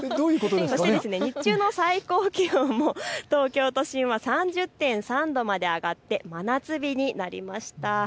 そして日中の最高気温も東京都心は３０．３度まで上がって真夏日になりました。